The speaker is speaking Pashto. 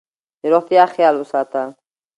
د روغتیا خیال وساته.